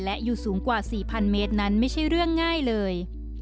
และอยู่สูงกว่า๔๐๐เมตรนั้นไม่ใช่เรื่องง่ายเลย